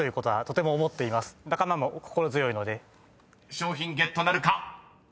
［賞品ゲットなるか］